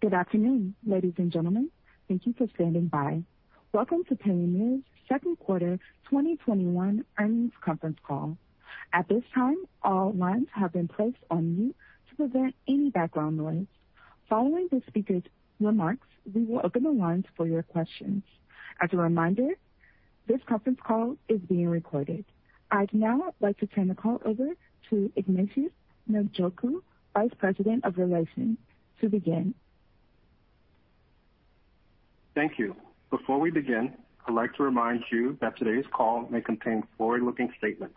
Good afternoon, ladies and gentlemen. Thank you for standing by. Welcome to Payoneer's second quarter 2021 earnings conference call. At this time, all lines have been placed on mute to prevent any background noise. Following the speakers' remarks, we will open the lines for your questions. As a reminder, this conference call is being recorded. I'd now like to turn the call over to Ignatius Njoku, Vice President of Investor Relations, to begin. Thank you. Before we begin, I'd like to remind you that today's call may contain forward-looking statements.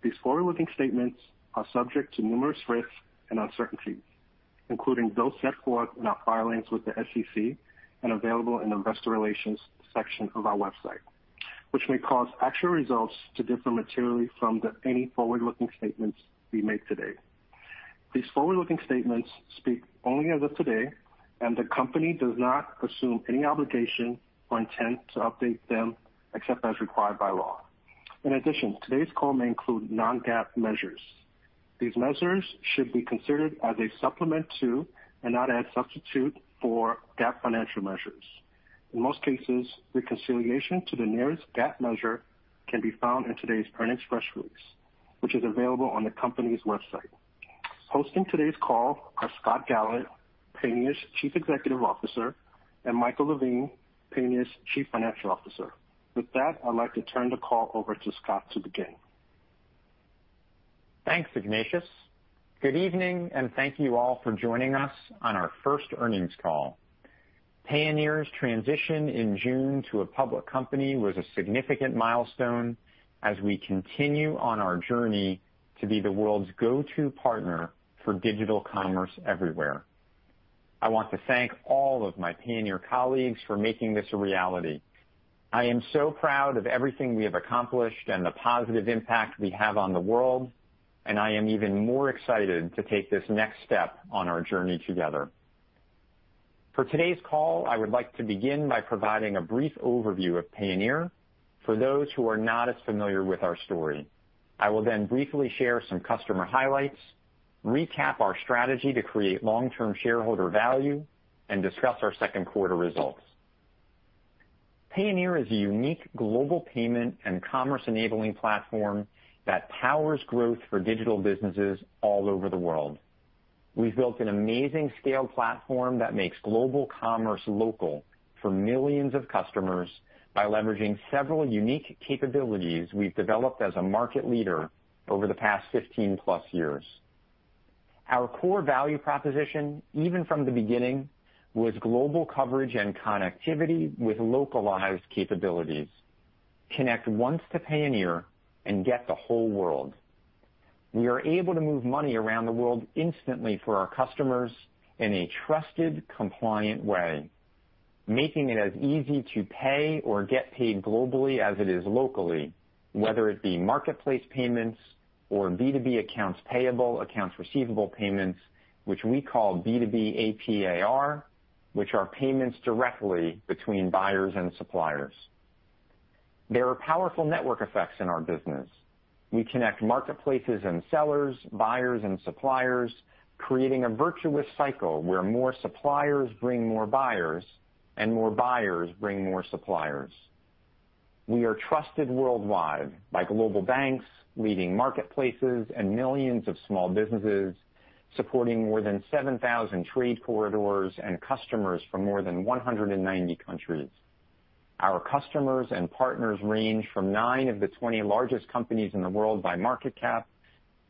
These forward-looking statements are subject to numerous risks and uncertainties, including those set forth in our filings with the SEC and available in the Investor Relations section of our website, which may cause actual results to differ materially from any forward-looking statements we make today. These forward-looking statements speak only as of today, and the company does not assume any obligation or intent to update them except as required by law. In addition, today's call may include non-GAAP measures. These measures should be considered as a supplement to, and not a substitute for, GAAP financial measures. In most cases, reconciliation to the nearest GAAP measure can be found in today's earnings press release, which is available on the company's website. Hosting today's call are Scott Galit, Payoneer's Chief Executive Officer, and Michael Levine, Payoneer's Chief Financial Officer. With that, I'd like to turn the call over to Scott to begin. Thanks, Ignatius. Good evening, and thank you all for joining us on our first earnings call. Payoneer's transition in June to a public company was a significant milestone as we continue on our journey to be the world's go-to partner for digital commerce everywhere. I want to thank all of my Payoneer colleagues for making this a reality. I am so proud of everything we have accomplished and the positive impact we have on the world, and I am even more excited to take this next step on our journey together. For today's call, I would like to begin by providing a brief overview of Payoneer for those who are not as familiar with our story. I will then briefly share some customer highlights, recap our strategy to create long-term shareholder value, and discuss our second quarter results. Payoneer is a unique global payment and commerce-enabling platform that powers growth for digital businesses all over the world. We've built an amazing scale platform that makes global commerce local for millions of customers by leveraging several unique capabilities we've developed as a market leader over the past 15+ years. Our core value proposition, even from the beginning, was global coverage and connectivity with localized capabilities. Connect once to Payoneer and get the whole world. We are able to move money around the world instantly for our customers in a trusted, compliant way, making it as easy to pay or get paid globally as it is locally, whether it be marketplace payments or B2B accounts payable, accounts receivable payments, which we call B2B AP/AR, which are payments directly between buyers and suppliers. There are powerful network effects in our business. We connect marketplaces and sellers, buyers and suppliers, creating a virtuous cycle where more suppliers bring more buyers and more buyers bring more suppliers. We are trusted worldwide by global banks, leading marketplaces, and millions of small businesses, supporting more than 7,000 trade corridors and customers from more than 190 countries. Our customers and partners range from nine of the 20 largest companies in the world by market cap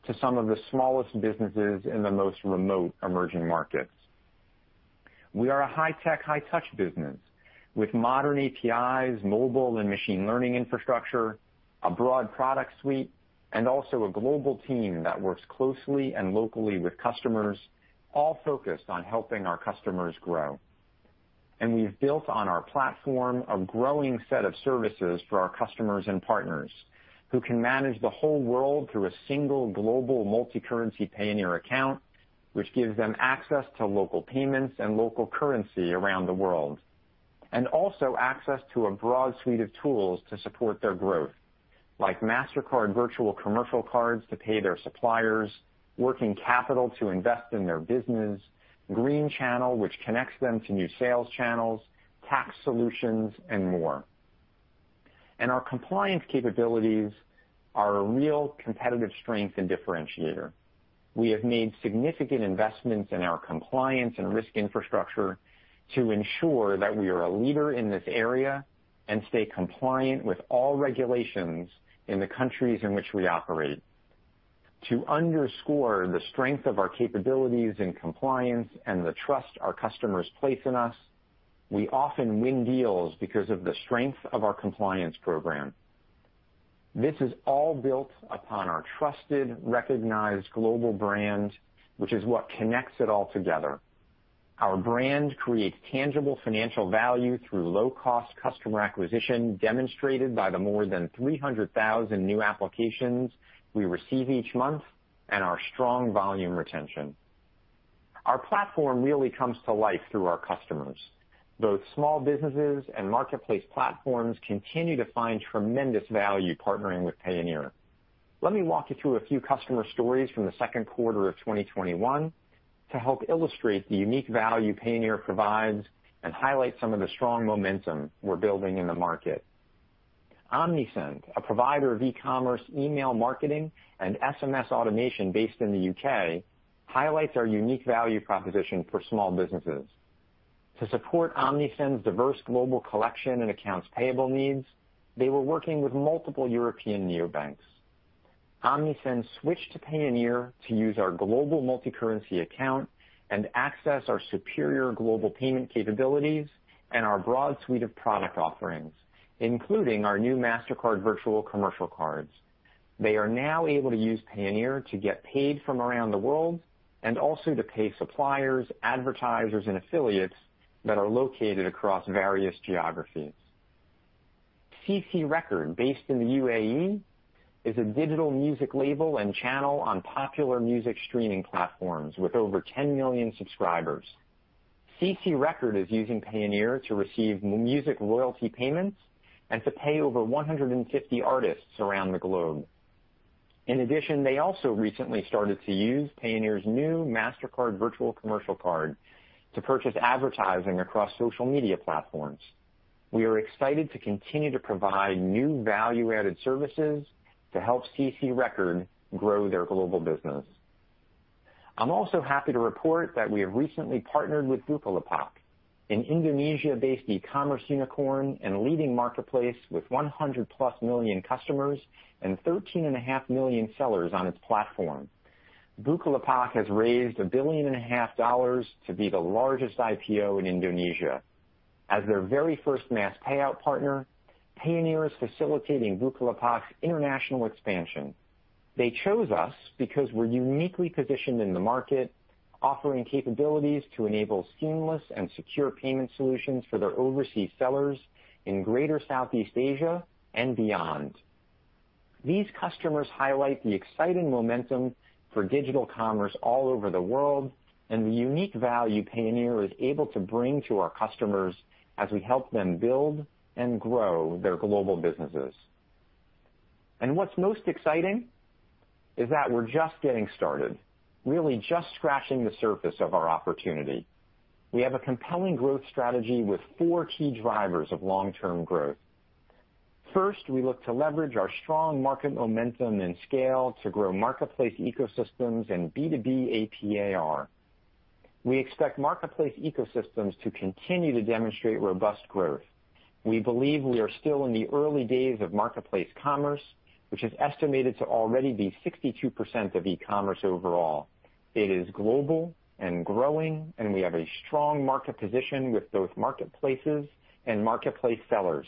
to some of the smallest businesses in the most remote emerging markets. We are a high-tech, high-touch business with modern APIs, mobile and machine learning infrastructure, a broad product suite, and also a global team that works closely and locally with customers, all focused on helping our customers grow. We've built on our platform a growing set of services for our customers and partners who can manage the whole world through a single global multicurrency Payoneer account, which gives them access to local payments and local currency around the world. Also access to a broad suite of tools to support their growth, like Mastercard virtual commercial cards to pay their suppliers, working capital to invest in their business, Green Channel, which connects them to new sales channels, tax solutions, and more. Our compliance capabilities are a real competitive strength and differentiator. We have made significant investments in our compliance and risk infrastructure to ensure that we are a leader in this area and stay compliant with all regulations in the countries in which we operate. To underscore the strength of our capabilities in compliance and the trust our customers place in us, we often win deals because of the strength of our compliance program. This is all built upon our trusted, recognized global brand, which is what connects it all together. Our brand creates tangible financial value through low-cost customer acquisition, demonstrated by the more than 300,000 new applications we receive each month and our strong volume retention. Our platform really comes to life through our customers. Both small businesses and marketplace platforms continue to find tremendous value partnering with Payoneer. Let me walk you through a few customer stories from the second quarter of 2021 to help illustrate the unique value Payoneer provides and highlight some of the strong momentum we're building in the market. Omnisend, a provider of e-commerce email marketing and SMS automation based in the U.K., highlights our unique value proposition for small businesses. To support Omnisend's diverse global collection and accounts payable needs, they were working with multiple European neobanks. Omnisend switched to Payoneer to use our global multicurrency account and access our superior global payment capabilities and our broad suite of product offerings, including our new Mastercard virtual commercial cards. They are now able to use Payoneer to get paid from around the world and also to pay suppliers, advertisers, and affiliates that are located across various geographies. CCRecord, based in the UAE, is a digital music label and channel on popular music streaming platforms with over 10 million subscribers. CCRecord is using Payoneer to receive music royalty payments and to pay over 150 artists around the globe. In addition, they also recently started to use Payoneer's new Mastercard virtual commercial card to purchase advertising across social media platforms. We are excited to continue to provide new value-added services to help CCRecord grow their global business. I'm also happy to report that we have recently partnered with Bukalapak, an Indonesia-based e-commerce unicorn and leading marketplace with 100+ million customers and 13.5 million sellers on its platform. Bukalapak has raised $1.5 billion to be the largest IPO in Indonesia. As their very first mass payout partner, Payoneer is facilitating Bukalapak's international expansion. They chose us because we're uniquely positioned in the market, offering capabilities to enable seamless and secure payment solutions for their overseas sellers in greater Southeast Asia and beyond. These customers highlight the exciting momentum for digital commerce all over the world and the unique value Payoneer is able to bring to our customers as we help them build and grow their global businesses. What's most exciting is that we're just getting started, really just scratching the surface of our opportunity. We have a compelling growth strategy with four key drivers of long-term growth. First, we look to leverage our strong market momentum and scale to grow marketplace ecosystems and B2B AP/AR. We expect marketplace ecosystems to continue to demonstrate robust growth. We believe we are still in the early days of marketplace commerce, which is estimated to already be 62% of e-commerce overall. It is global and growing, and we have a strong market position with both marketplaces and marketplace sellers.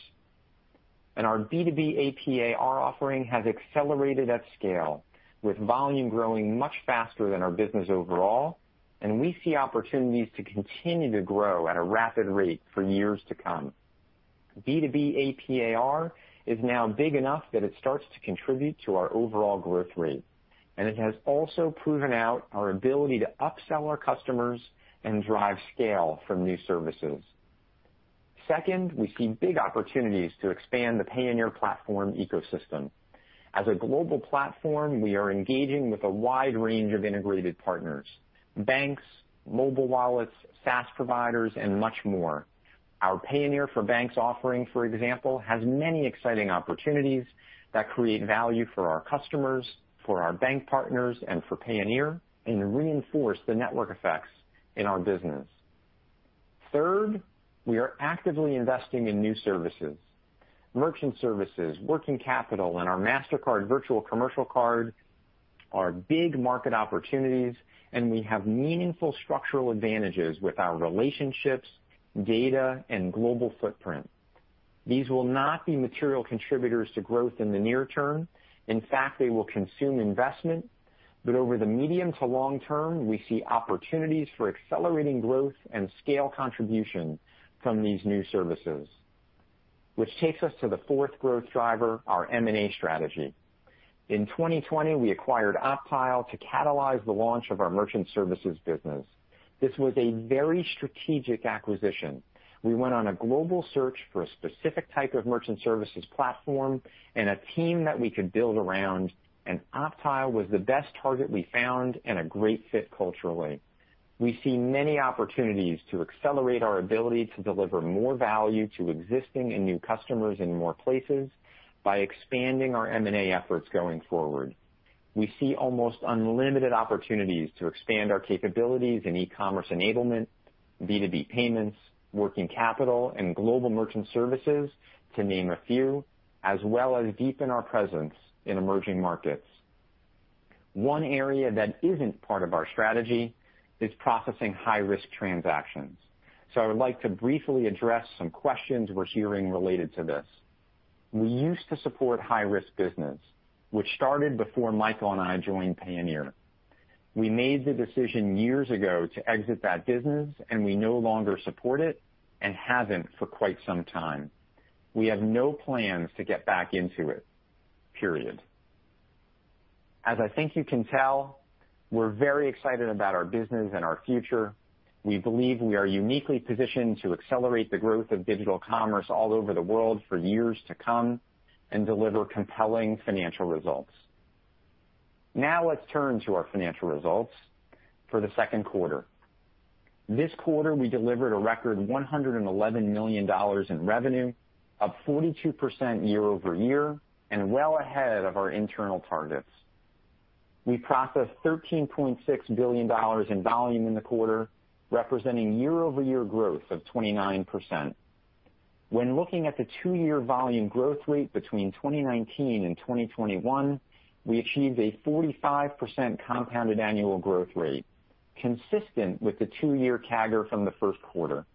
Our B2B AP/AR offering has accelerated at scale, with volume growing much faster than our business overall, and we see opportunities to continue to grow at a rapid rate for years to come. B2B AP/AR is now big enough that it starts to contribute to our overall growth rate, and it has also proven out our ability to upsell our customers and drive scale from new services. Second, we see big opportunities to expand the Payoneer platform ecosystem. As a global platform, we are engaging with a wide range of integrated partners, banks, mobile wallets, SaaS providers, and much more. Our Payoneer for Banks offering, for example, has many exciting opportunities that create value for our customers, for our bank partners, and for Payoneer and reinforce the network effects in our business. Third, we are actively investing in new services. Merchant services, working capital, and our Mastercard virtual commercial card are big market opportunities. We have meaningful structural advantages with our relationships, data, and global footprint. These will not be material contributors to growth in the near term. In fact, they will consume investment. Over the medium to long term, we see opportunities for accelerating growth and scale contribution from these new services. Which takes us to the fourth growth driver, our M&A strategy. In 2020, we acquired optile to catalyze the launch of our merchant services business. This was a very strategic acquisition. We went on a global search for a specific type of merchant services platform and a team that we could build around. optile was the best target we found and a great fit culturally. We see many opportunities to accelerate our ability to deliver more value to existing and new customers in more places by expanding our M&A efforts going forward. We see almost unlimited opportunities to expand our capabilities in e-commerce enablement, B2B payments, working capital, and global merchant services, to name a few, as well as deepen our presence in emerging markets. One area that isn't part of our strategy is processing high-risk transactions. I would like to briefly address some questions we're hearing related to this. We used to support high-risk business, which started before Michael and I joined Payoneer. We made the decision years ago to exit that business, and we no longer support it and haven't for quite some time. We have no plans to get back into it, period. As I think you can tell, we're very excited about our business and our future. We believe we are uniquely positioned to accelerate the growth of digital commerce all over the world for years to come and deliver compelling financial results. Now let's turn to our financial results for the second quarter. This quarter, we delivered a record $111 million in revenue, up 42% year-over-year, and well ahead of our internal targets. We processed $13.6 billion in volume in the quarter, representing year-over-year growth of 29%. When looking at the two-year volume growth rate between 2019 and 2021, we achieved a 45% compounded annual growth rate, consistent with the two-year CAGR from the first quarter.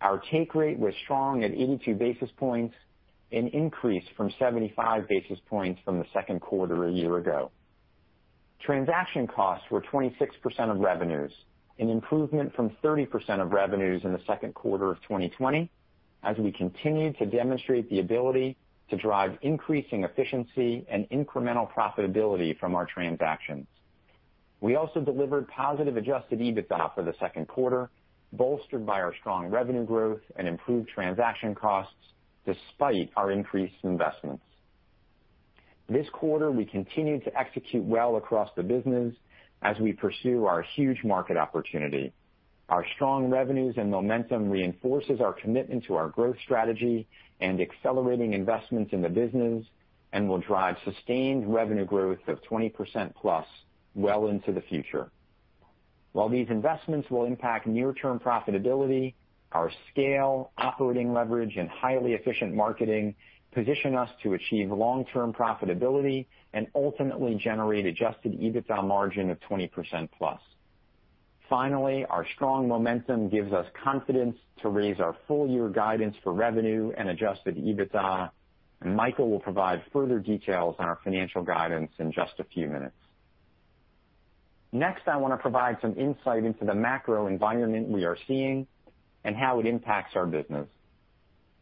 Our take rate was strong at 82 basis points, an increase from 75 basis points from the second quarter a year ago. Transaction costs were 26% of revenues, an improvement from 30% of revenues in the second quarter of 2020, as we continued to demonstrate the ability to drive increasing efficiency and incremental profitability from our transactions. We also delivered positive adjusted EBITDA for the second quarter, bolstered by our strong revenue growth and improved transaction costs despite our increased investments. This quarter, we continued to execute well across the business as we pursue our huge market opportunity. Our strong revenues and momentum reinforces our commitment to our growth strategy and accelerating investments in the business and will drive sustained revenue growth of 20%+ well into the future. While these investments will impact near-term profitability, our scale, operating leverage, and highly efficient marketing position us to achieve long-term profitability and ultimately generate adjusted EBITDA margin of 20%+. Finally, our strong momentum gives us confidence to raise our full-year guidance for revenue and adjusted EBITDA, and Michael will provide further details on our financial guidance in just a few minutes. Next, I want to provide some insight into the macro environment we are seeing and how it impacts our business.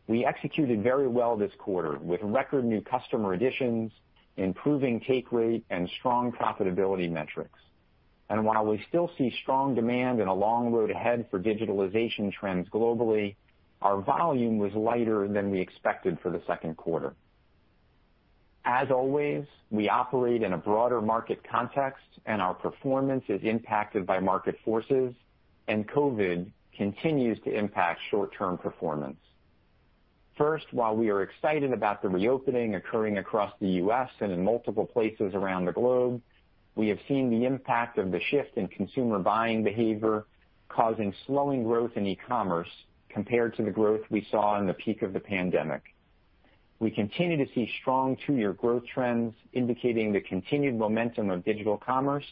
We executed very well this quarter with record new customer additions, improving take rate, and strong profitability metrics. While we still see strong demand and a long road ahead for digitalization trends globally, our volume was lighter than we expected for the second quarter. As always, we operate in a broader market context, and our performance is impacted by market forces, and COVID continues to impact short-term performance. First, while we are excited about the reopening occurring across the U.S. and in multiple places around the globe, we have seen the impact of the shift in consumer buying behavior causing slowing growth in e-commerce compared to the growth we saw in the peak of the pandemic. We continue to see strong two-year growth trends indicating the continued momentum of digital commerce,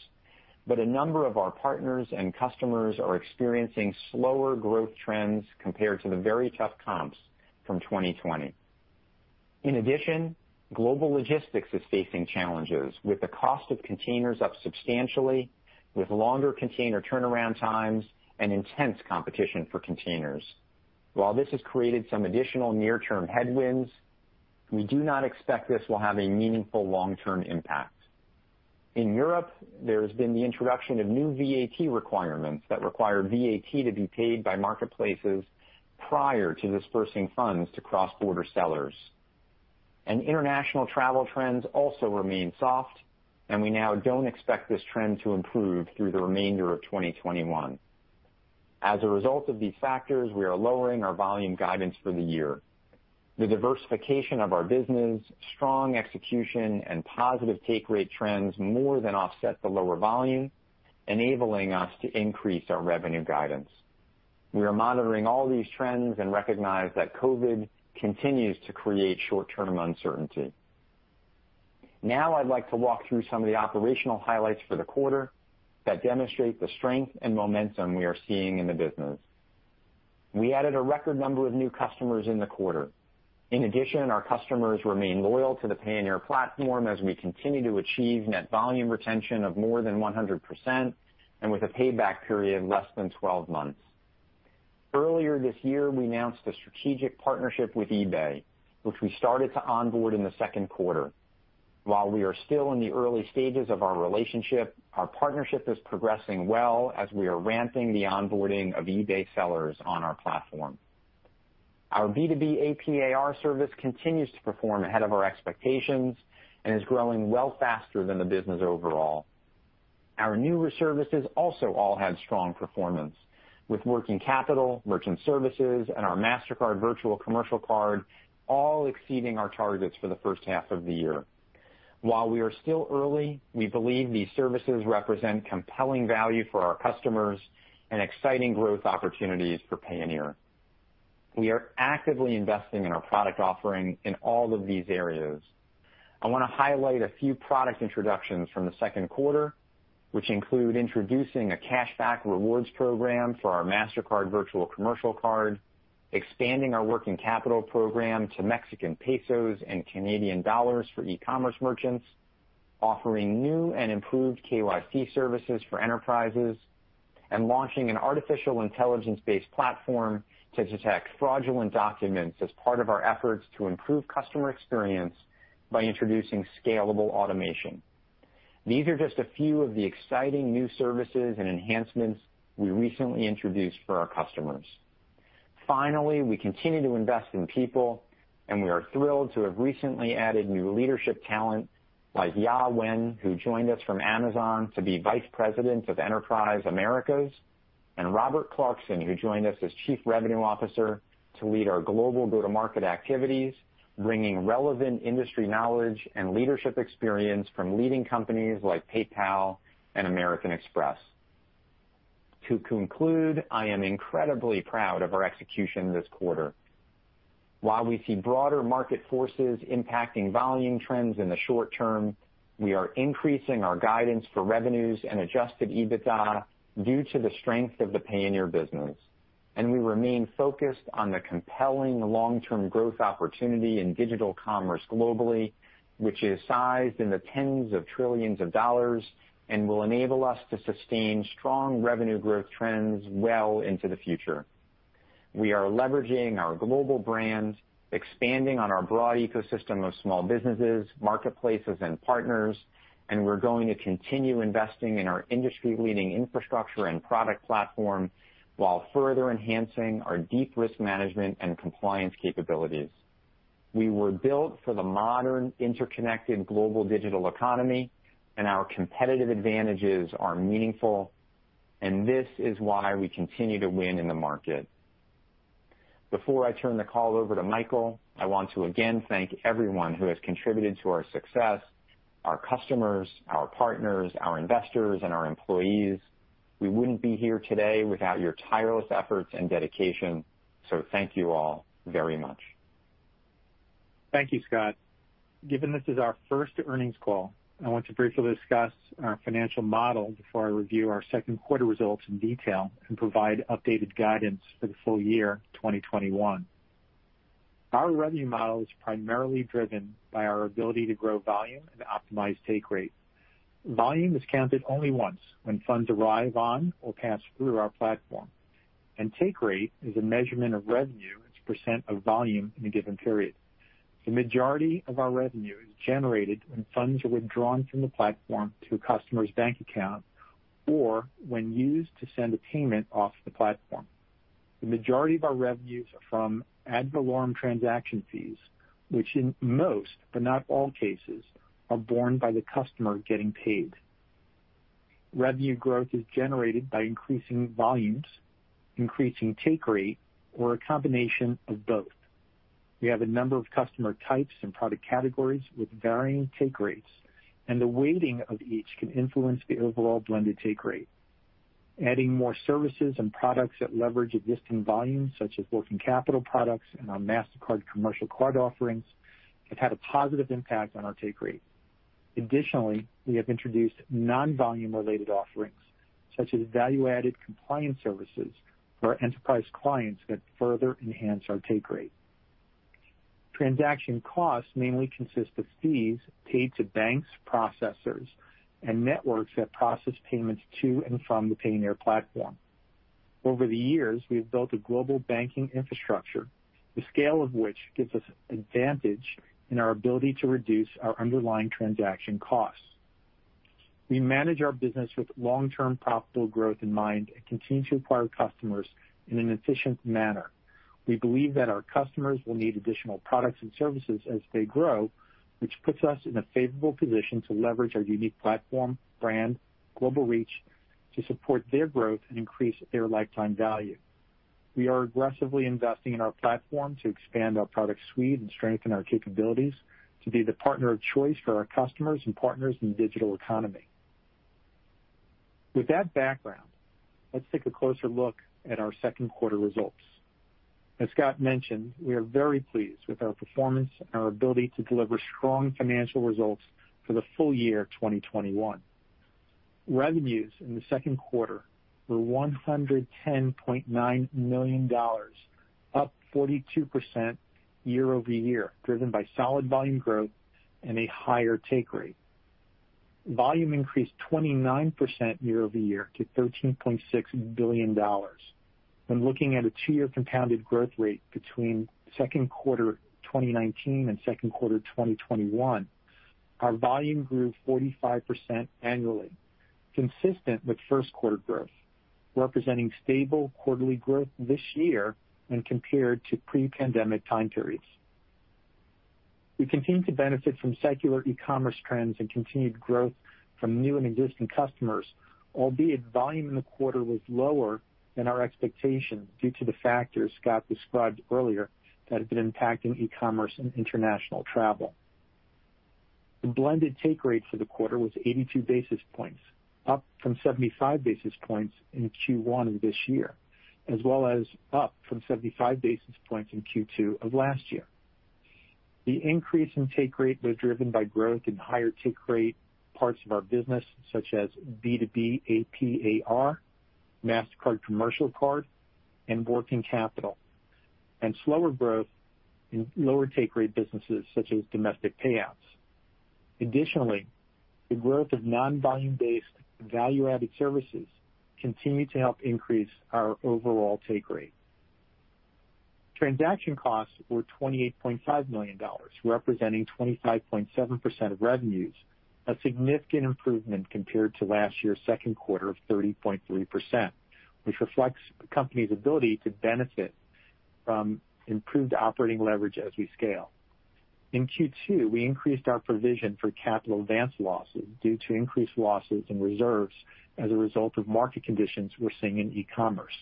but a number of our partners and customers are experiencing slower growth trends compared to the very tough comps from 2020. In addition, global logistics is facing challenges, with the cost of containers up substantially, with longer container turnaround times and intense competition for containers. While this has created some additional near-term headwinds, we do not expect this will have a meaningful long-term impact. In Europe, there has been the introduction of new VAT requirements that require VAT to be paid by marketplaces prior to dispersing funds to cross-border sellers. International travel trends also remain soft, and we now don't expect this trend to improve through the remainder of 2021. As a result of these factors, we are lowering our volume guidance for the year. The diversification of our business, strong execution, and positive take rate trends more than offset the lower volume, enabling us to increase our revenue guidance. We are monitoring all these trends and recognize that COVID continues to create short-term uncertainty. Now I'd like to walk through some of the operational highlights for the quarter that demonstrate the strength and momentum we are seeing in the business. We added a record number of new customers in the quarter. In addition, our customers remain loyal to the Payoneer platform as we continue to achieve net volume retention of more than 100% and with a payback period less than 12 months. Earlier this year, we announced a strategic partnership with eBay, which we started to onboard in the second quarter. While we are still in the early stages of our relationship, our partnership is progressing well as we are ramping the onboarding of eBay sellers on our platform. Our B2B AP/AR service continues to perform ahead of our expectations and is growing well faster than the business overall. Our newer services also all had strong performance, with working capital, merchant services, and our Mastercard virtual commercial card all exceeding our targets for the first half of the year. While we are still early, we believe these services represent compelling value for our customers and exciting growth opportunities for Payoneer. We are actively investing in our product offering in all of these areas. I want to highlight a few product introductions from the second quarter, which include introducing a cashback rewards program for our Mastercard virtual commercial card, expanding our working capital program to Mexican pesos and Canadian dollars for e-commerce merchants, offering new and improved KYC services for enterprises and launching an artificial intelligence-based platform to detect fraudulent documents as part of our efforts to improve customer experience by introducing scalable automation. These are just a few of the exciting new services and enhancements we recently introduced for our customers. Finally, we continue to invest in people, and we are thrilled to have recently added new leadership talent like Ya Wen, who joined us from Amazon to be Vice President of Enterprise Americas, and Robert Clarkson, who joined us as Chief Revenue Officer to lead our global go-to-market activities, bringing relevant industry knowledge and leadership experience from leading companies like PayPal and American Express. To conclude, I am incredibly proud of our execution this quarter. While we see broader market forces impacting volume trends in the short-term, we are increasing our guidance for revenues and adjusted EBITDA due to the strength of the Payoneer business. We remain focused on the compelling long-term growth opportunity in digital commerce globally, which is sized in the tens of trillions of dollars and will enable us to sustain strong revenue growth trends well into the future. We are leveraging our global brands, expanding on our broad ecosystem of small businesses, marketplaces, and partners, and we're going to continue investing in our industry-leading infrastructure and product platform while further enhancing our deep risk management and compliance capabilities. We were built for the modern, interconnected global digital economy, and our competitive advantages are meaningful. This is why we continue to win in the market. Before I turn the call over to Michael, I want to again thank everyone who has contributed to our success, our customers, our partners, our investors, and our employees. We wouldn't be here today without your tireless efforts and dedication. Thank you all very much. Thank you, Scott. Given this is our first earnings call, I want to briefly discuss our financial model before I review our second quarter results in detail and provide updated guidance for the full year 2021. Our revenue model is primarily driven by our ability to grow volume and optimize take rate. Volume is counted only once, when funds arrive on or pass through our platform. Take rate is a measurement of revenue as a percent of volume in a given period. The majority of our revenue is generated when funds are withdrawn from the platform to a customer's bank account, or when used to send a payment off the platform. The majority of our revenues are from ad valorem transaction fees, which in most, but not all cases, are borne by the customer getting paid. Revenue growth is generated by increasing volumes, increasing take rate, or a combination of both. We have a number of customer types and product categories with varying take rates, and the weighting of each can influence the overall blended take rate. Adding more services and products that leverage existing volumes, such as working capital products and our Mastercard commercial card offerings, have had a positive impact on our take rate. Additionally, we have introduced non-volume related offerings, such as value-added compliance services for our enterprise clients that further enhance our take rate. Transaction costs mainly consist of fees paid to banks, processors, and networks that process payments to and from the Payoneer platform. Over the years, we have built a global banking infrastructure, the scale of which gives us advantage in our ability to reduce our underlying transaction costs. We manage our business with long-term profitable growth in mind and continue to acquire customers in an efficient manner. We believe that our customers will need additional products and services as they grow, which puts us in a favorable position to leverage our unique platform, brand, global reach to support their growth and increase their lifetime value. We are aggressively investing in our platform to expand our product suite and strengthen our capabilities to be the partner of choice for our customers and partners in the digital economy. With that background, let's take a closer look at our second quarter results. As Scott mentioned, we are very pleased with our performance and our ability to deliver strong financial results for the full year 2021. Revenues in the second quarter were $110.9 million, up 42% year-over-year, driven by solid volume growth and a higher take rate. Volume increased 29% year-over-year to $13.6 billion. When looking at a two-year compounded growth rate between second quarter 2019 and second quarter 2021, our volume grew 45% annually, consistent with first quarter growth, representing stable quarterly growth this year when compared to pre-pandemic time periods. We continue to benefit from secular e-commerce trends and continued growth from new and existing customers, albeit volume in the quarter was lower than our expectations due to the factors Scott described earlier that have been impacting e-commerce and international travel. The blended take rate for the quarter was 82 basis points, up from 75 basis points in Q1 of this year, as well as up from 75 basis points in Q2 of last year. The increase in take rate was driven by growth in higher take rate parts of our business such as B2B AP/AR, Mastercard commercial card, and working capital, and slower growth in lower take rate businesses such as domestic payouts. Additionally, the growth of non-volume based value-added services continue to help increase our overall take rate. Transaction costs were $28.5 million, representing 25.7% of revenues, a significant improvement compared to last year's second quarter of 30.3%, which reflects the company's ability to benefit from improved operating leverage as we scale. In Q2, we increased our provision for capital advance losses due to increased losses in reserves as a result of market conditions we're seeing in e-commerce.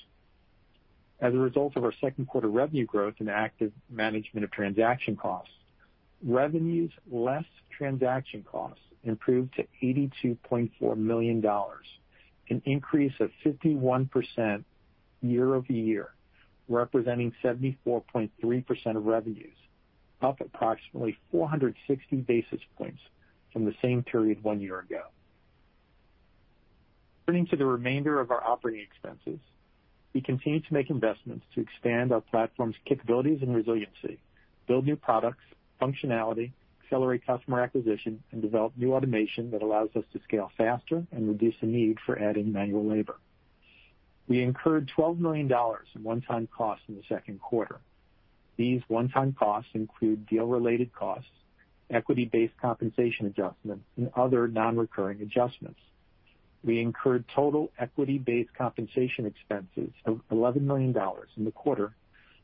As a result of our second quarter revenue growth and active management of transaction costs, revenues less transaction costs improved to $82.4 million, an increase of 51% year-over-year, representing 74.3% of revenues, up approximately 460 basis points from the same period one year ago. Turning to the remainder of our operating expenses, we continue to make investments to expand our platform's capabilities and resiliency, build new products, functionality, accelerate customer acquisition, and develop new automation that allows us to scale faster and reduce the need for adding manual labor. We incurred $12 million in one-time costs in the second quarter. These one-time costs include deal related costs, equity-based compensation adjustments, and other non-recurring adjustments. We incurred total equity-based compensation expenses of $11 million in the quarter,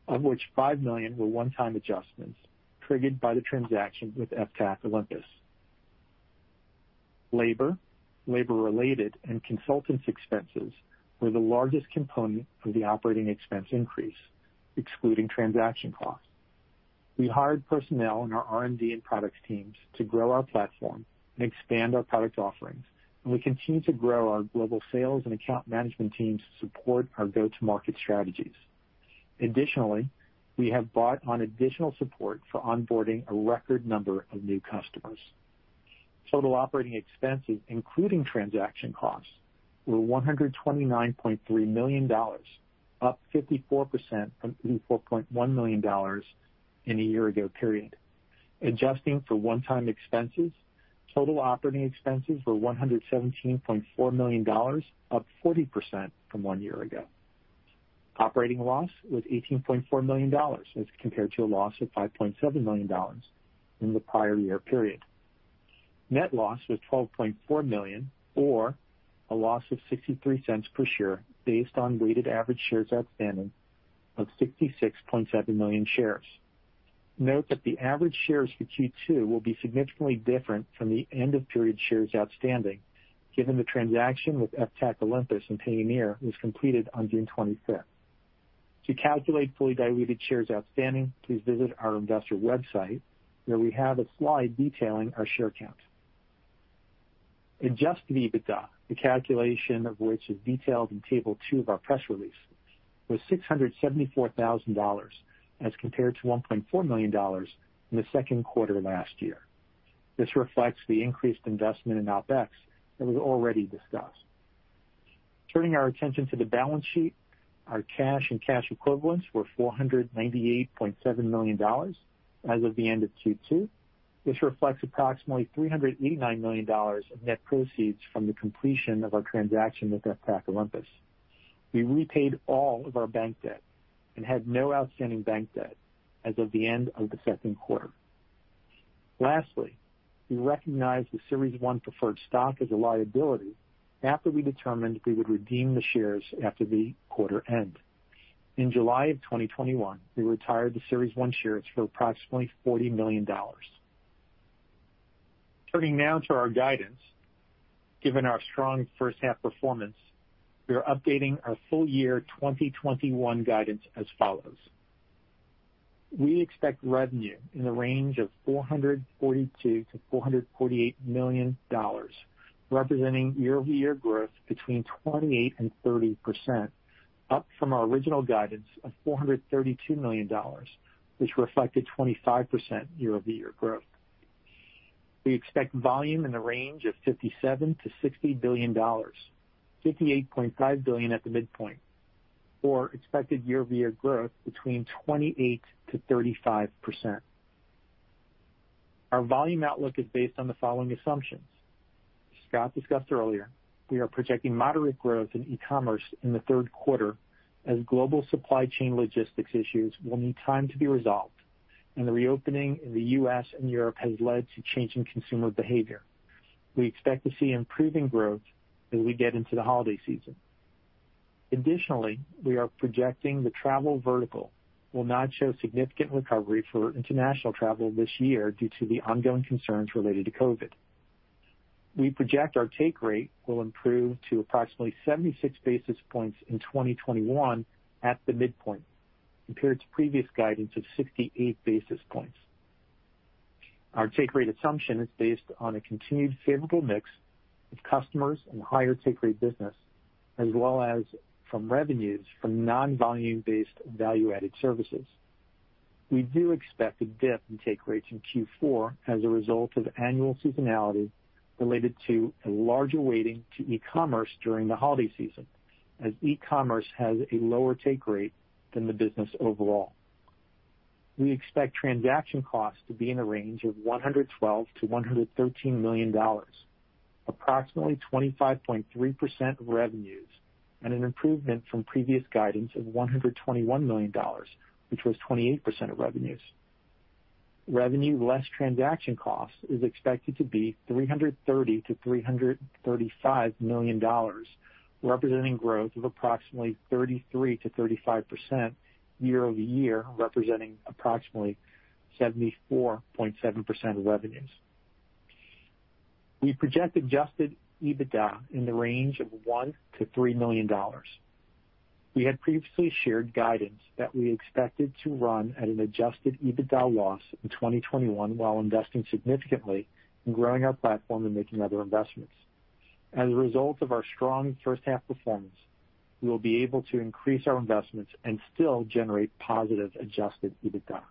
of which $5 million were one-time adjustments triggered by the transaction with FTAC Olympus. Labor, labor-related, and consultancy expenses were the largest component of the operating expense increase, excluding transaction costs. We hired personnel in our R&D and products teams to grow our platform and expand our product offerings, and we continue to grow our global sales and account management teams to support our go-to-market strategies. Additionally, we have bought on additional support for onboarding a record number of new customers. Total operating expenses, including transaction costs, were $129.3 million, up 54% from $34.1 million in a year ago period. Adjusting for one-time expenses, total operating expenses were $117.4 million, up 40% from one year ago. Operating loss was $18.4 million as compared to a loss of $5.7 million in the prior year period. Net loss was $12.4 million, or a loss of $0.63 per share based on weighted average shares outstanding of 66.7 million shares. Note that the average shares for Q2 will be significantly different from the end of period shares outstanding, given the transaction with FTAC Olympus and Payoneer was completed on June 25th. To calculate fully diluted shares outstanding, please visit our investor website, where we have a slide detailing our share count. Adjusted EBITDA, the calculation of which is detailed in Table 2 of our press release, was $674,000 as compared to $1.4 million in the second quarter last year. This reflects the increased investment in OpEx that was already discussed. Turning our attention to the balance sheet, our cash and cash equivalents were $498.7 million as of the end of Q2. This reflects approximately $389 million of net proceeds from the completion of our transaction with FTAC Olympus. We repaid all of our bank debt and had no outstanding bank debt as of the end of the second quarter. Lastly, we recognized the Series 1 Preferred Stock as a liability after we determined we would redeem the shares after the quarter end. In July of 2021, we retired the Series 1 shares for approximately $40 million. Turning now to our guidance. Given our strong first half performance, we are updating our full year 2021 guidance as follows. We expect revenue in the range of $442 million-$448 million, representing year-over-year growth between 28% and 30%, up from our original guidance of $432 million, which reflected 25% year-over-year growth. We expect volume in the range of $57 billion-$60 billion, $58.5 billion at the midpoint, or expected year-over-year growth between 28%-35%. Our volume outlook is based on the following assumptions. As Scott discussed earlier, we are projecting moderate growth in e-commerce in the third quarter, as global supply chain logistics issues will need time to be resolved, and the reopening in the U.S. and Europe has led to changing consumer behavior. We expect to see improving growth as we get into the holiday season. Additionally, we are projecting the travel vertical will not show significant recovery for international travel this year due to the ongoing concerns related to COVID. We project our take rate will improve to approximately 76 basis points in 2021 at the midpoint, compared to previous guidance of 68 basis points. Our take rate assumption is based on a continued favorable mix of customers and higher take rate business, as well as from revenues from non-volume based value-added services. We do expect a dip in take rates in Q4 as a result of annual seasonality related to a larger weighting to e-commerce during the holiday season, as e-commerce has a lower take rate than the business overall. We expect transaction costs to be in the range of $112 million-$113 million, approximately 25.3% of revenues, and an improvement from previous guidance of $121 million, which was 28% of revenues. Revenue less transaction cost is expected to be $330 million-$335 million, representing growth of approximately 33%-35% year-over-year, representing approximately 74.7% of revenues. We project adjusted EBITDA in the range of $1 million-$3 million. We had previously shared guidance that we expected to run at an adjusted EBITDA loss in 2021 while investing significantly in growing our platform and making other investments. As a result of our strong first half performance, we will be able to increase our investments and still generate positive adjusted EBITDA.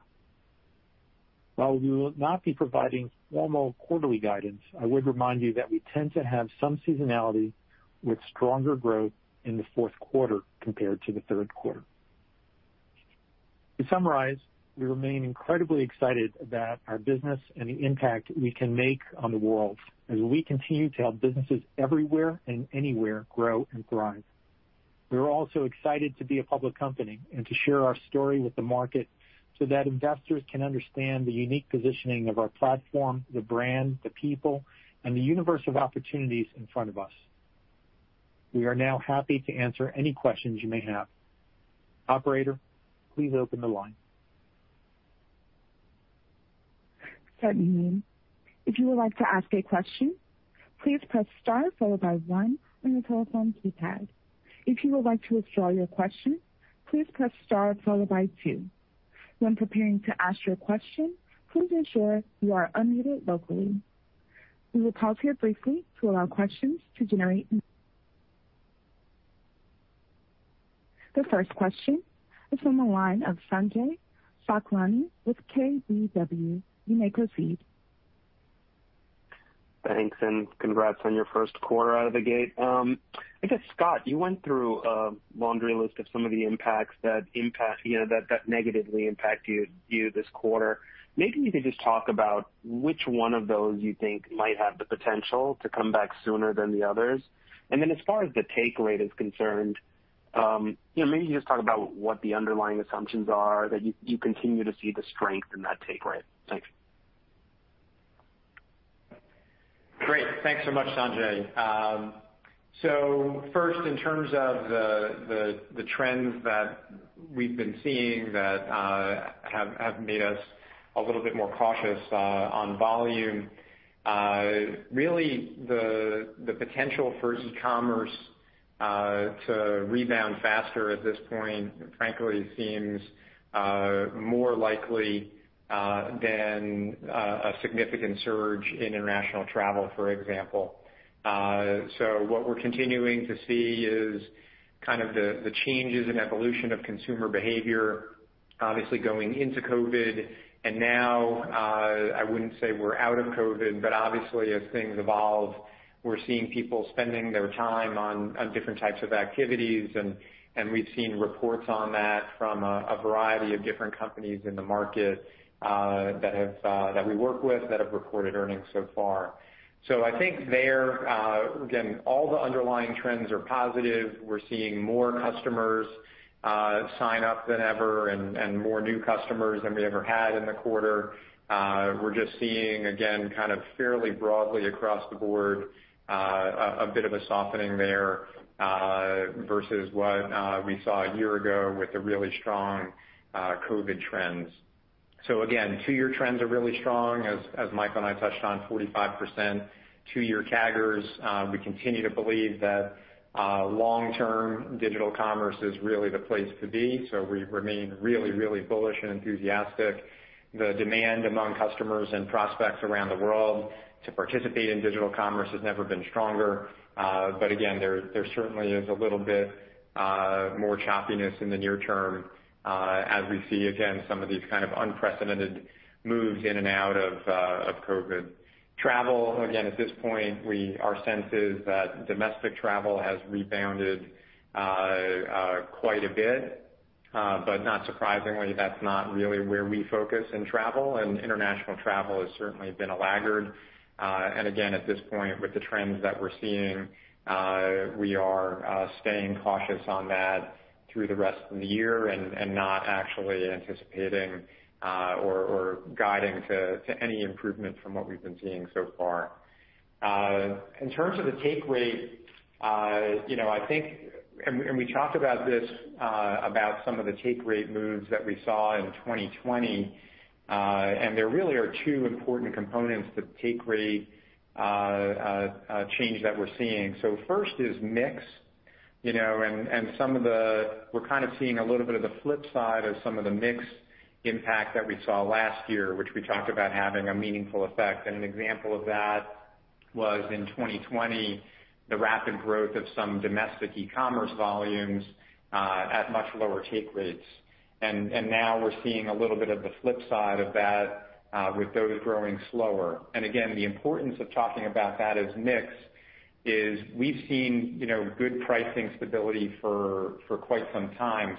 While we will not be providing formal quarterly guidance, I would remind you that we tend to have some seasonality with stronger growth in the fourth quarter compared to the third quarter. To summarize, we remain incredibly excited about our business and the impact we can make on the world as we continue to help businesses everywhere and anywhere grow and thrive. We're also excited to be a public company and to share our story with the market so that investors can understand the unique positioning of our platform, the brand, the people, and the universe of opportunities in front of us. We are now happy to answer any questions you may have. Operator, please open the line. Certainly. If you would like to ask a question, please press star followed by one on your telephone keypad. If you would like to withdraw your question, please press star followed by two. When preparing to ask your question, please ensure you are unmuted locally. We will pause here briefly to allow questions to generate. The first question is from the line of Sanjay Sakhrani with KBW. You may proceed. Thanks. Congrats on your first quarter out of the gate. I guess, Scott, you went through a laundry list of some of the impacts that negatively impact you this quarter. Maybe you could just talk about which one of those you think might have the potential to come back sooner than the others. Then as far as the take rate is concerned, maybe you just talk about what the underlying assumptions are that you continue to see the strength in that take rate. Thanks. Great. Thanks so much, Sanjay. First, in terms of the trends that we've been seeing that have made us a little bit more cautious on volume. Really the potential for e-commerce to rebound faster at this point, frankly, seems more likely than a significant surge in international travel, for example. What we're continuing to see is kind of the changes and evolution of consumer behavior, obviously, going into COVID. Now, I wouldn't say we're out of COVID, but obviously as things evolve, we're seeing people spending their time on different types of activities, and we've seen reports on that from a variety of different companies in the market that we work with that have reported earnings so far. I think there, again, all the underlying trends are positive. We're seeing more customers sign up than ever and more new customers than we ever had in the quarter. We're just seeing, again, fairly broadly across the board, a bit of a softening there versus what we saw a year ago with the really strong COVID trends. Again, two-year trends are really strong as Mike and I touched on, 45% two-year CAGRs. We continue to believe that long-term digital commerce is really the place to be. We remain really, really bullish and enthusiastic. The demand among customers and prospects around the world to participate in digital commerce has never been stronger. Again, there certainly is a little bit more choppiness in the near term as we see, again, some of these kind of unprecedented moves in and out of COVID. Travel, again, at this point, our sense is that domestic travel has rebounded quite a bit. Not surprisingly, that's not really where we focus in travel, and international travel has certainly been a laggard. Again, at this point, with the trends that we're seeing, we are staying cautious on that through the rest of the year and not actually anticipating or guiding to any improvement from what we've been seeing so far. In terms of the take rate, we talked about this, about some of the take rate moves that we saw in 2020. There really are two important components to take rate change that we're seeing. First is mix, and we're kind of seeing a little bit of the flip side of some of the mix impact that we saw last year, which we talked about having a meaningful effect. An example of that was in 2020, the rapid growth of some domestic e-commerce volumes at much lower take rates. Now we're seeing a little bit of the flip side of that with those growing slower. Again, the importance of talking about that as mix is we've seen good pricing stability for quite some time.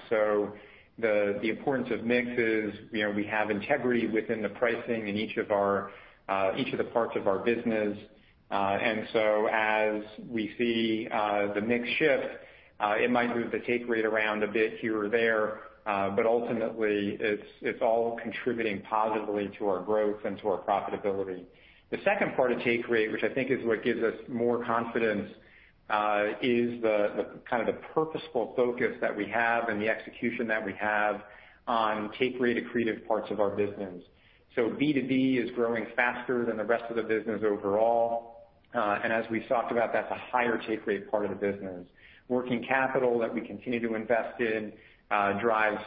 The importance of mix is we have integrity within the pricing in each of the parts of our business. As we see the mix shift, it might move the take rate around a bit here or there. Ultimately, it's all contributing positively to our growth and to our profitability. The second part of take rate, which I think is what gives us more confidence, is the purposeful focus that we have and the execution that we have on take rate accretive parts of our business. B2B is growing faster than the rest of the business overall. As we've talked about, that's a higher take rate part of the business. Working capital that we continue to invest in drives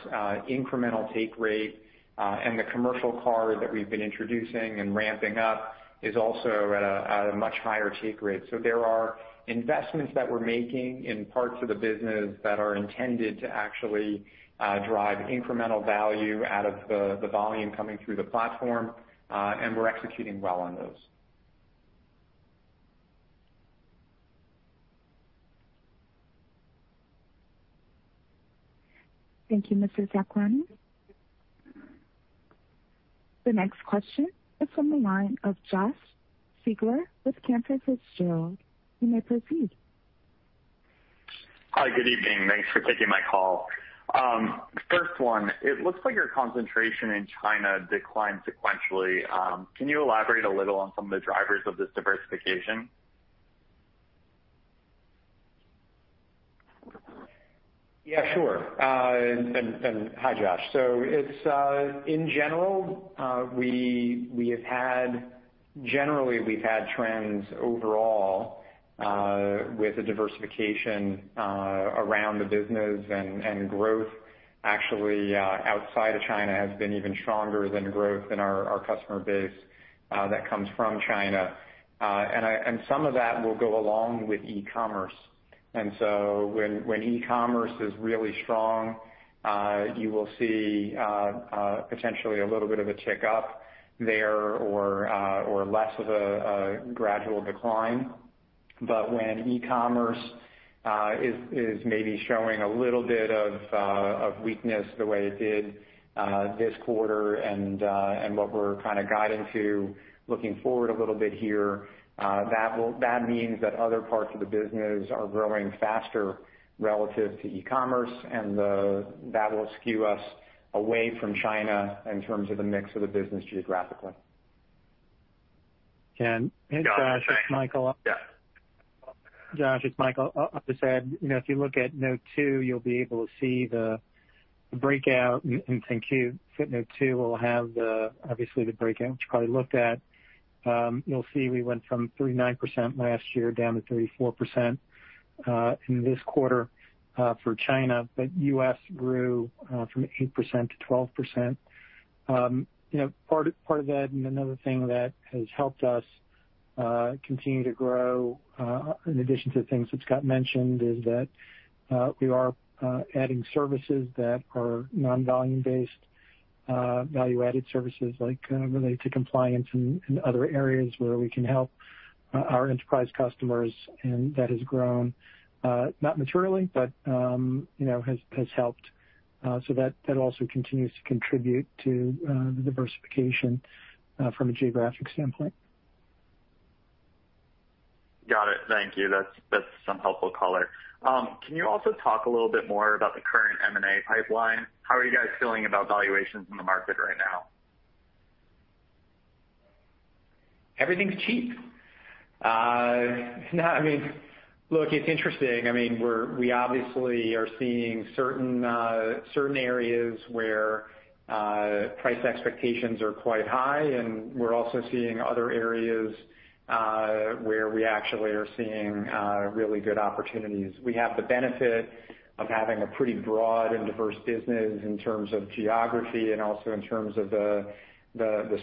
incremental take rate. The commercial card that we've been introducing and ramping up is also at a much higher take rate. There are investments that we're making in parts of the business that are intended to actually drive incremental value out of the volume coming through the platform. We're executing well on those. Thank you, Mr. Sakhrani. The next question is from the line of Josh Siegler with Cantor Fitzgerald. You may proceed. Hi, good evening. Thanks for taking my call. First one, it looks like your concentration in China declined sequentially. Can you elaborate a little on some of the drivers of this diversification? Yeah, sure. Hi, Josh. In general, we have had trends overall with the diversification around the business and growth actually outside of China has been even stronger than growth in our customer base that comes from China. Some of that will go along with e-commerce. When e-commerce is really strong, you will see potentially a little bit of a tick up there or less of a gradual decline. When e-commerce is maybe showing a little bit of weakness the way it did this quarter and what we're kind of guiding to looking forward a little bit here, that means that other parts of the business are growing faster relative to e-commerce, and that will skew us away from China in terms of the mix of the business geographically. Josh, it's Michael. Yeah. Josh, it's Michael. I'll just add, if you look at note 2, you'll be able to see the breakout in 10-Q. Footnote 2 will have obviously the breakout, which you probably looked at. You'll see we went from 39% last year down to 34% in this quarter for China, but U.S. grew from 8% to 12%. Part of that and another thing that has helped us continue to grow, in addition to things that Scott mentioned, is that we are adding services that are non-volume based value-added services, like related to compliance in other areas where we can help our enterprise customers. That has grown, not materially, but has helped. That also continues to contribute to the diversification from a geographic standpoint. Got it. Thank you. That's some helpful color. Can you also talk a little bit more about the current M&A pipeline? How are you guys feeling about valuations in the market right now? Everything's cheap. Look, it's interesting. We obviously are seeing certain areas where price expectations are quite high, and we're also seeing other areas where we actually are seeing really good opportunities. We have the benefit of having a pretty broad and diverse business in terms of geography and also in terms of the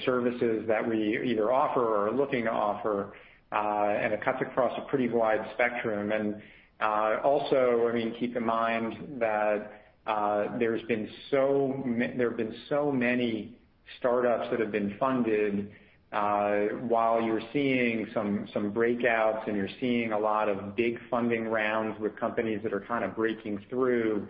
services that we either offer or are looking to offer. It cuts across a pretty wide spectrum. Keep in mind that there have been so many startups that have been funded. While you're seeing some breakouts and you're seeing a lot of big funding rounds with companies that are kind of breaking through,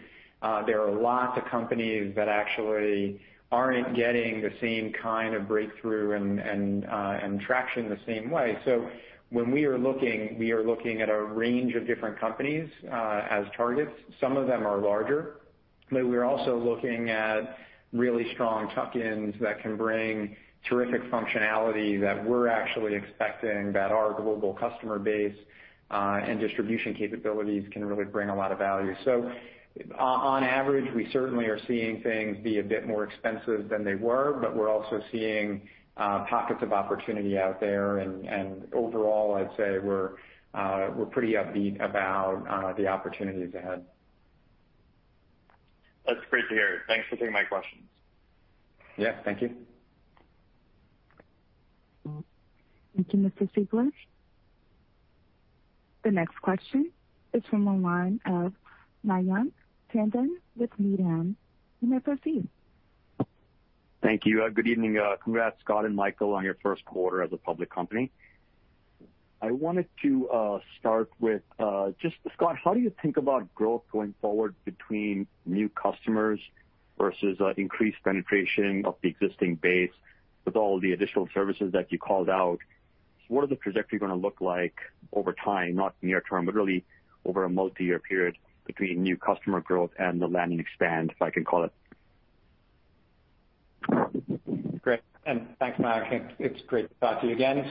there are lots of companies that actually aren't getting the same kind of breakthrough and traction the same way. When we are looking, we are looking at a range of different companies as targets. Some of them are larger, but we're also looking at really strong tuck-ins that can bring terrific functionality that we're actually expecting that our global customer base and distribution capabilities can really bring a lot of value. On average, we certainly are seeing things be a bit more expensive than they were, but we're also seeing pockets of opportunity out there. Overall, I'd say we're pretty upbeat about the opportunities ahead. That's great to hear. Thanks for taking my questions. Yeah, thank you. Thank you, Mr. Siegler. The next question is from the line of Mayank Tandon with Needham. You may proceed. Thank you. Good evening. Congrats, Scott and Michael, on your first quarter as a public company. I wanted to start with just, Scott, how do you think about growth going forward between new customers versus increased penetration of the existing base with all the additional services that you called out? What are the projections going to look like over time, not near-term, but really over a multi-year period between new customer growth and the land and expand, if I can call it? Great. Thanks, Mayank. It's great to talk to you again.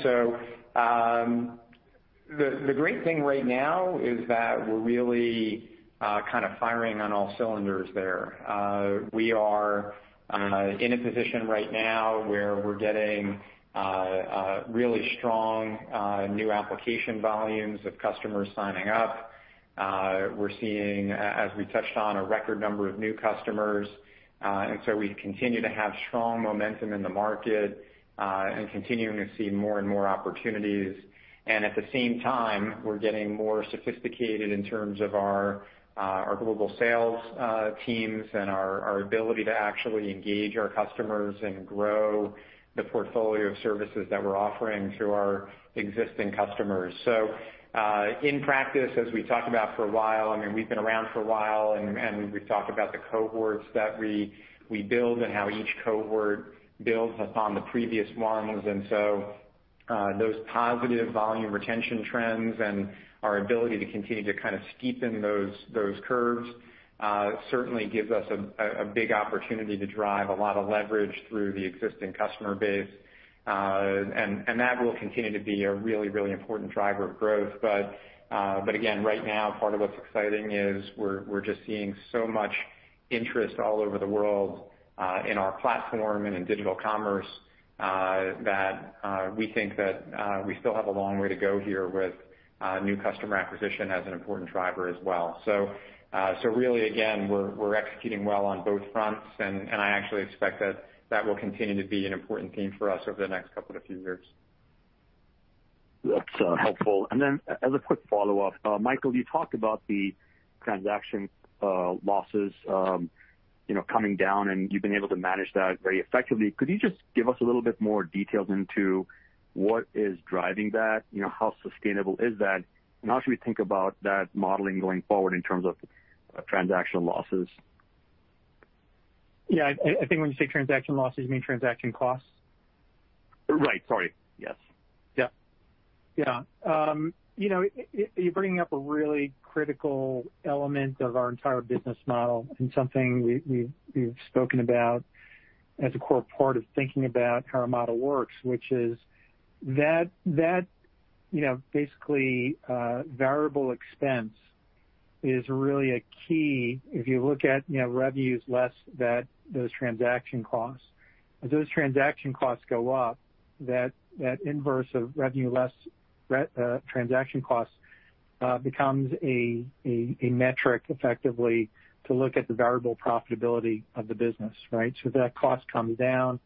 The great thing right now is that we're really kind of firing on all cylinders there. We are in a position right now where we're getting really strong new application volumes of customers signing up. We're seeing, as we touched on, a record number of new customers. We continue to have strong momentum in the market and continuing to see more and more opportunities. At the same time, we're getting more sophisticated in terms of our global sales teams and our ability to actually engage our customers and grow the portfolio of services that we're offering to our existing customers. In practice, as we talked about for a while, we've been around for a while, and we've talked about the cohorts that we build and how each cohort builds upon the previous ones. Those positive volume retention trends and our ability to continue to kind of steepen those curves certainly gives us a big opportunity to drive a lot of leverage through the existing customer base. That will continue to be a really, really important driver of growth. Again, right now, part of what's exciting is we're just seeing so much interest all over the world in our platform and in digital commerce that we think that we still have a long way to go here with new customer acquisition as an important driver as well. Really, again, we're executing well on both fronts, and I actually expect that that will continue to be an important theme for us over the next couple of few years. That's helpful. As a quick follow-up, Michael, you talked about the transaction losses coming down, and you've been able to manage that very effectively. Could you just give us a little bit more details into what is driving that, how sustainable is that, and how should we think about that modeling going forward in terms of transaction losses? Yeah, I think when you say transaction losses, you mean transaction costs? Right. Sorry. Yes. Yeah. You know, you're bringing up a really critical element of our entire business model and something we've spoken about as a core part of thinking about how our model works, which is that basically variable expense is really a key. If you look at revenues less those transaction costs. As those transaction costs go up, that inverse of revenue less transaction costs becomes a metric effectively to look at the variable profitability of the business, right? If that cost comes down,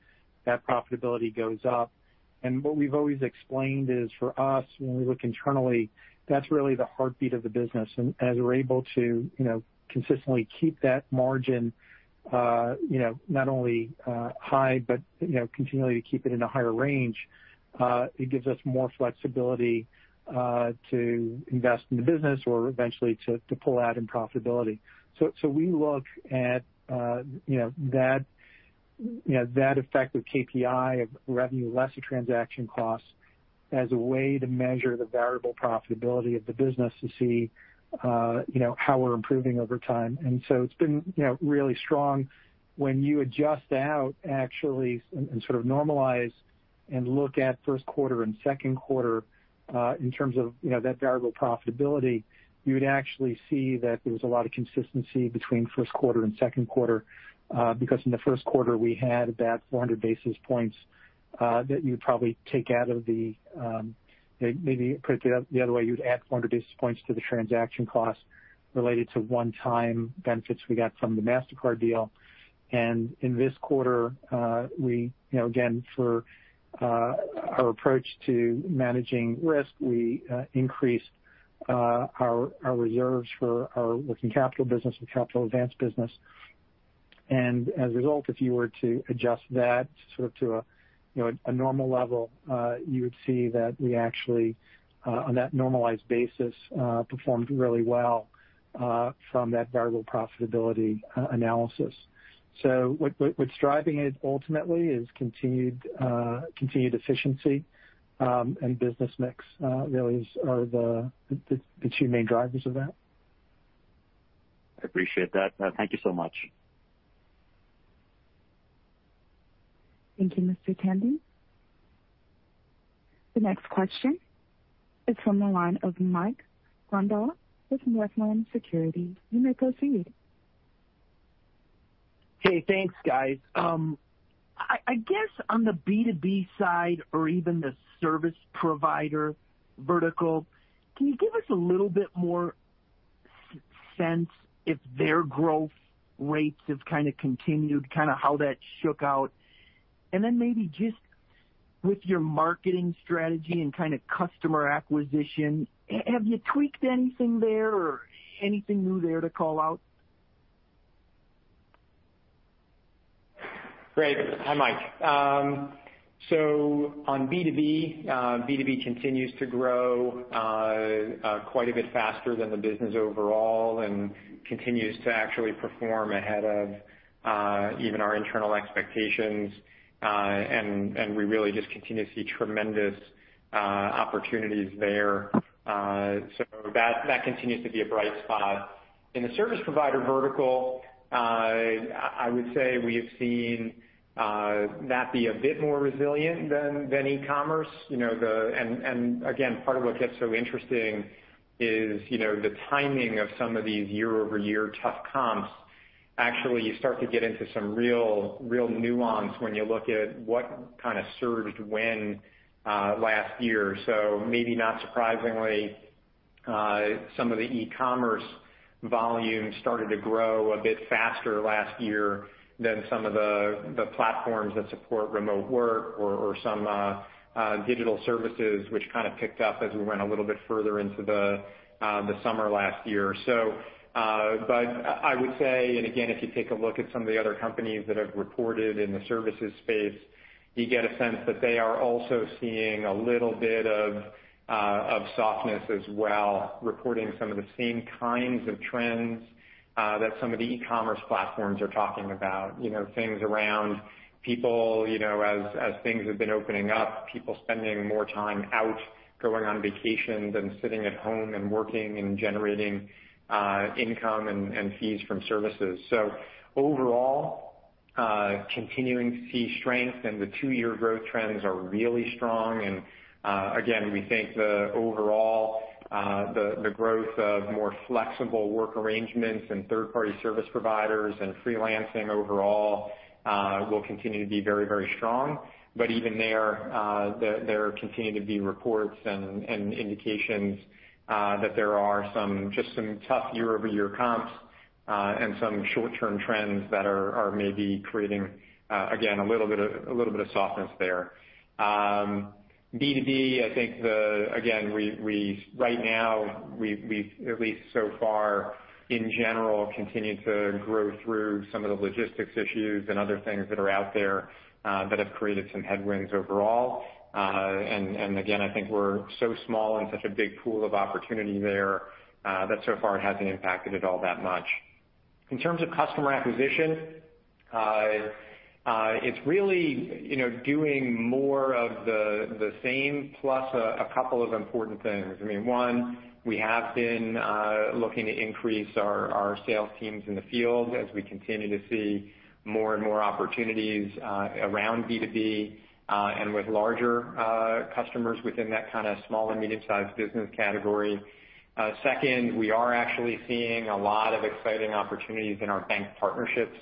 that profitability goes up. What we've always explained is for us, when we look internally, that's really the heartbeat of the business. As we're able to consistently keep that margin not only high, but continually to keep it in a higher range it gives us more flexibility to invest in the business or eventually to pull out in profitability. We look at that effective KPI of revenue less the transaction costs as a way to measure the variable profitability of the business to see how we're improving over time. It's been really strong when you adjust out actually and sort of normalize and look at first quarter and second quarter in terms of that variable profitability, you would actually see that there was a lot of consistency between first quarter and second quarter because in the first quarter, we had about 400 basis points that you'd probably, maybe put it the other way, you'd add 400 basis points to the transaction cost related to one-time benefits we got from the Mastercard deal. In this quarter, again, for our approach to managing risk, we increased our reserves for our working capital business and capital advance business. As a result, if you were to adjust that sort of to a normal level you would see that we actually on that normalized basis performed really well from that variable profitability analysis. What's driving it ultimately is continued efficiency and business mix really are the two main drivers of that. I appreciate that. Thank you so much. Thank you, Mr. Tandon. The next question is from the line of Mike Grondahl with Northland Securities. You may proceed. Okay, thanks guys. I guess on the B2B side, or even the service provider vertical, can you give us a little bit more sense if their growth rates have kind of continued, kind of how that shook out? Maybe just with your marketing strategy and customer acquisition, have you tweaked anything there, or anything new there to call out? Great. Hi, Mike. On B2B, B2B continues to grow quite a bit faster than the business overall and continues to actually perform ahead of even our internal expectations. We really just continue to see tremendous opportunities there. That continues to be a bright spot. In the service provider vertical, I would say we have seen that be a bit more resilient than e-commerce. Again, part of what gets so interesting is the timing of some of these year-over-year tough comps. Actually, you start to get into some real nuance when you look at what kind of surged when last year. Maybe not surprisingly, some of the e-commerce volume started to grow a bit faster last year than some of the platforms that support remote work or some digital services, which kind of picked up as we went a little bit further into the summer last year. I would say, and again, if you take a look at some of the other companies that have reported in the services space, you get a sense that they are also seeing a little bit of softness as well, reporting some of the same kinds of trends that some of the e-commerce platforms are talking about. Things around people, as things have been opening up, people spending more time out going on vacation than sitting at home and working and generating income and fees from services. Overall, continuing to see strength, and the two-year growth trends are really strong. We think the overall growth of more flexible work arrangements and third-party service providers and freelancing overall will continue to be very, very strong. But even there, there continue to be reports and indications that there are just some tough year-over-year comps and some short-term trends that are maybe creating, again, a little bit of softness there. B2B, I think, again, right now, at least so far, in general, continue to grow through some of the logistics issues and other things that are out there that have created some headwinds overall. I think we're so small and such a big pool of opportunity there that so far it hasn't impacted it all that much. In terms of customer acquisition, it's really doing more of the same, plus a couple of important things. One, we have been looking to increase our sales teams in the field as we continue to see more and more opportunities around B2B and with larger customers within that kind of small and medium-sized business category. Second, we are actually seeing a lot of exciting opportunities in our bank partnerships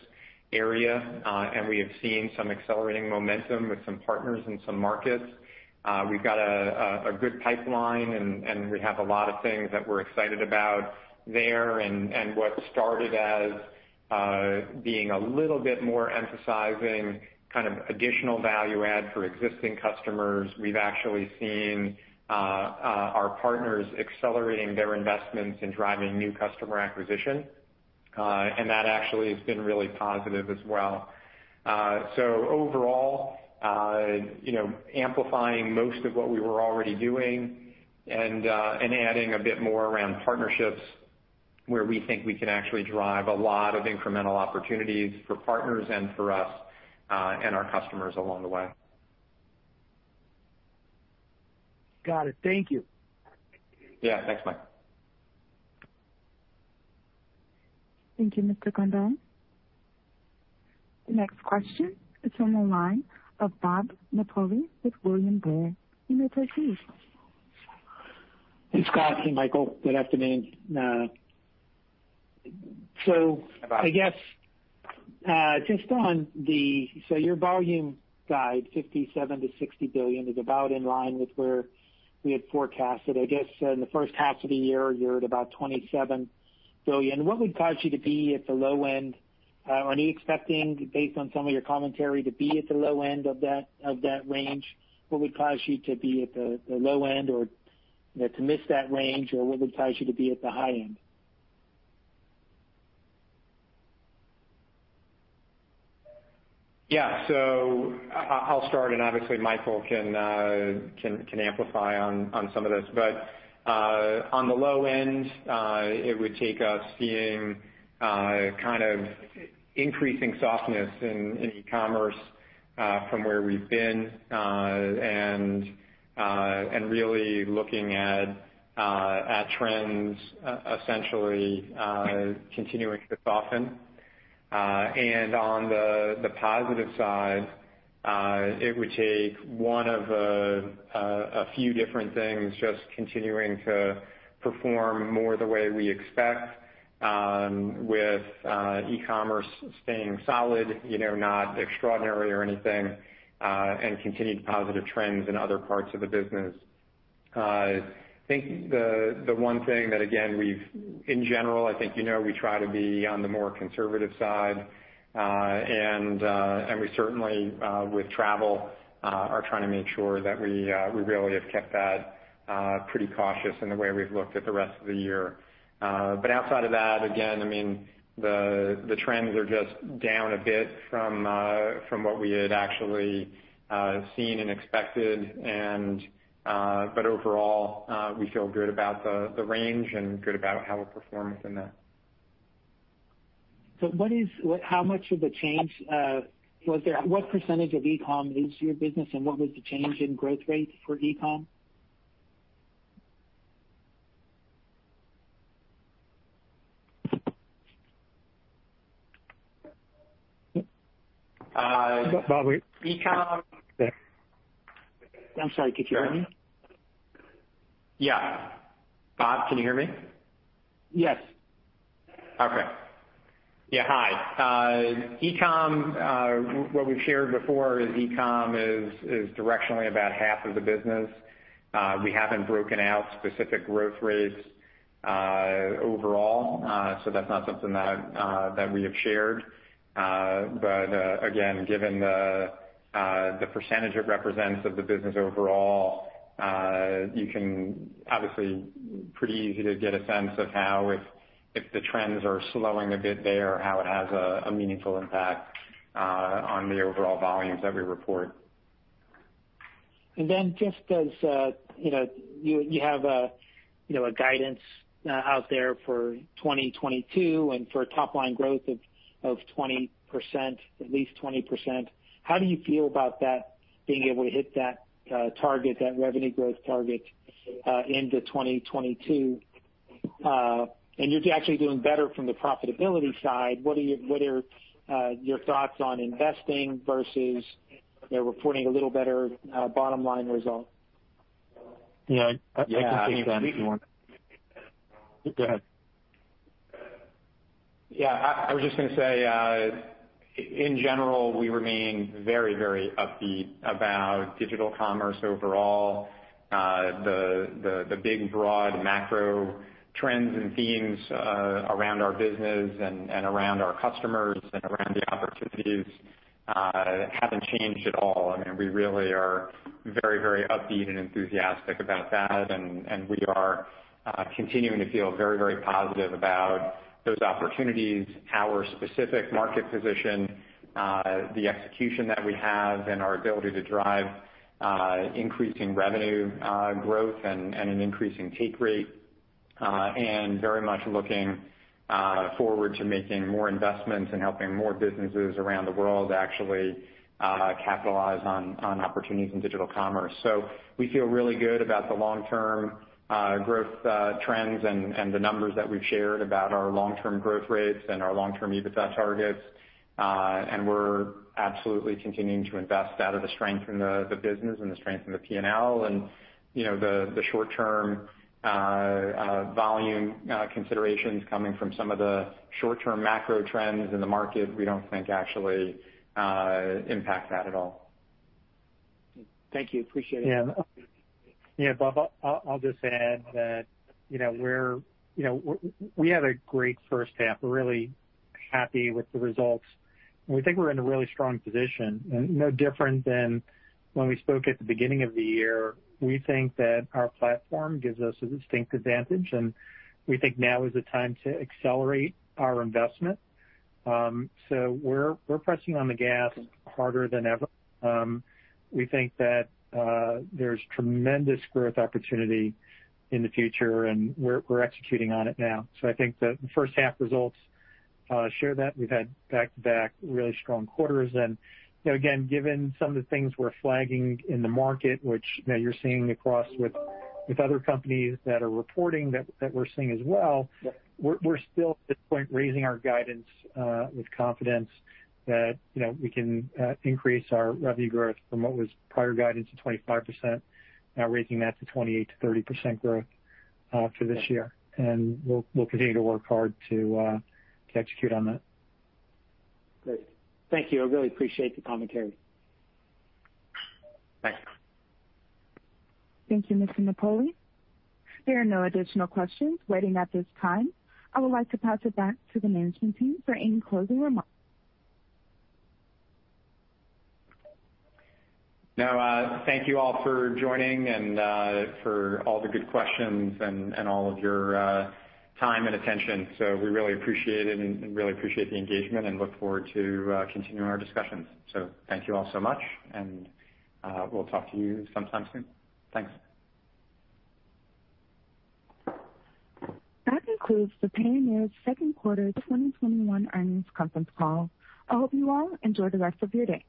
area. We have seen some accelerating momentum with some partners in some markets. We've got a good pipeline, and we have a lot of things that we're excited about there. What started as being a little bit more emphasizing additional value add for existing customers, we've actually seen our partners accelerating their investments and driving new customer acquisition. That actually has been really positive as well. Overall, amplifying most of what we were already doing and adding a bit more around partnerships where we think we can actually drive a lot of incremental opportunities for partners and for us, and our customers along the way. Got it. Thank you. Yeah. Thanks, Mike. Thank you, Mr. Grondahl. The next question is from the line of Bob Napoli with William Blair. You may proceed. Hey, Scott. Hey, Michael. Good afternoon. Hi, Bob. I guess, just on the, so your volume guide, $57 billion-$60 billion, is about in line with where we had forecasted. I guess in the first half of the year, you're at about $27 billion. What would cause you to be at the low end? Are you expecting, based on some of your commentary, to be at the low end of that range? What would cause you to be at the low end or to miss that range? What would cause you to be at the high end? Yeah. I'll start, and obviously Michael can amplify on some of this. On the low end, it would take us seeing increasing softness in e-commerce from where we've been, and really looking at trends essentially continuing to soften. On the positive side, it would take one of a few different things just continuing to perform more the way we expect, with e-commerce staying solid, not extraordinary or anything, and continued positive trends in other parts of the business. I think the one thing that, again, in general, I think you know we try to be on the more conservative side. We certainly, with travel, are trying to make sure that we really have kept that pretty cautious in the way we've looked at the rest of the year. Outside of that, again, the trends are just down a bit from what we had actually seen and expected. Overall, we feel good about the range and good about how we're performing in that. How much of a change was there? What percentage of e-com is your business, and what was the change in growth rate for e-com? E-com. I'm sorry. Could you hear me? Yeah. Bob, can you hear me? Yes. Okay. Yeah. Hi. E-com, What we've shared before is e-com is directionally about half of the business. We haven't broken out specific growth rates overall, so that's not something that we have shared. Again, given the percentage it represents of the business overall, you can obviously pretty easily get a sense of how, if the trends are slowing a bit there, how it has a meaningful impact on the overall volumes that we report. Just as you have a guidance out there for 2022, and for a top-line growth of at least 20%, how do you feel about that, being able to hit that revenue growth target into 2022? You're actually doing better from the profitability side. What are your thoughts on investing versus reporting a little better bottom-line result? Yeah. I can take that if you want. Go ahead. Yeah. I was just going to say, in general, we remain very upbeat about digital commerce overall. The big, broad macro trends and themes around our business and around our customers and around the opportunities haven't changed at all. We really are very upbeat and enthusiastic about that, and we are continuing to feel very positive about those opportunities, our specific market position, the execution that we have, and our ability to drive increasing revenue growth and an increasing take rate. Very much looking forward to making more investments and helping more businesses around the world actually capitalize on opportunities in digital commerce. We feel really good about the long-term growth trends and the numbers that we've shared about our long-term growth rates and our long-term EBITDA targets. We're absolutely continuing to invest out of the strength in the business and the strength in the P&L. The short-term volume considerations coming from some of the short-term macro trends in the market, we don't think actually impact that at all. Thank you. Appreciate it. Bob, I'll just add that we had a great first half. We're really happy with the results, and we think we're in a really strong position. No different than when we spoke at the beginning of the year, we think that our platform gives us a distinct advantage, and we think now is the time to accelerate our investment. We're pressing on the gas harder than ever. We think that there's tremendous growth opportunity in the future, and we're executing on it now. I think the first half results share that. We've had back-to-back really strong quarters. Again, given some of the things we're flagging in the market, which you're seeing across with other companies that are reporting that we're seeing as well, we're still, at this point, raising our guidance with confidence that we can increase our revenue growth from what was prior guidance of 25%, now raising that to 28%-30% growth for this year. We'll continue to work hard to execute on that. Great. Thank you. I really appreciate the commentary. Thanks. Thank you, Mr. Napoli. There are no additional questions waiting at this time. I would like to pass it back to the management team for any closing remarks. No. Thank you all for joining and for all the good questions and all of your time and attention. We really appreciate it and really appreciate the engagement and look forward to continuing our discussions. Thank you all so much, and we'll talk to you sometime soon. Thanks. That concludes the Payoneer second quarter 2021 earnings conference call. I hope you all enjoy the rest of your day.